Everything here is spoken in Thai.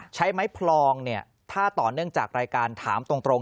ใช้ไม้พลองเนี่ยถ้าต่อเนื่องจากรายการถามตรง